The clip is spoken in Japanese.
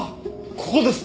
ここです！